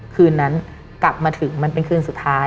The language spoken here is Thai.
คืนนั้นกลับมาถึงมันเป็นคืนสุดท้าย